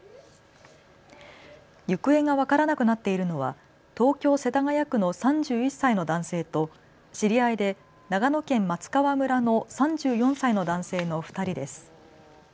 行方が分からなくなっているのは東京世田谷区の３１歳の男性と知り合いで長野県松川村の３４歳の男性の２人です。